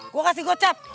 gua kasih gocap